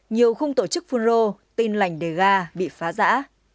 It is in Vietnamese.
nhiều khung tổ chức phun rô tin lành đề ga bị phá giã